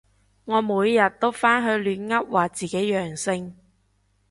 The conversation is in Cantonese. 我每日都返去亂噏話自己陽性